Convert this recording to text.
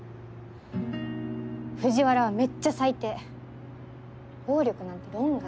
藤原はめっちゃ最低暴力なんて論外。